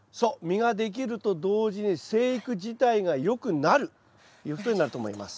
実ができると同時に生育自体がよくなるということになると思います。